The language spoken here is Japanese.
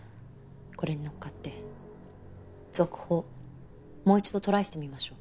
これに乗っかって続報もう１度トライしてみましょう。